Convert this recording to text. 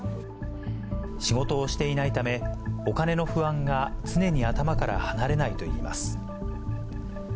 仕事をしていないため、お金の不安が常に頭から離れないといいます。